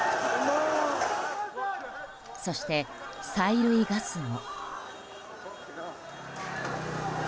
そして、催涙ガスも。